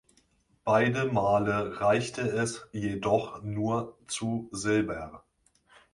Beide Male reichte es jedoch nur zu Silber.